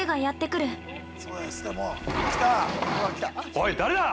◆おい、誰だ！